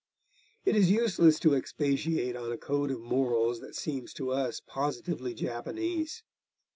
It is useless to expatiate on a code of morals that seems to us positively Japanese.